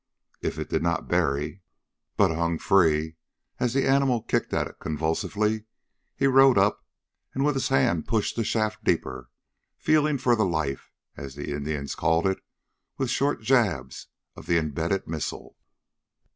If it did not bury, but hung free as the animal kicked at it convulsively, he rode up, and with his hand pushed the shaft deeper, feeling for the life, as the Indians called it, with short jabs of the imbedded missile.